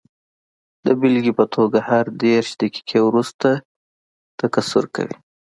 د بېلګې په توګه هر دېرش دقیقې وروسته تکثر کوي.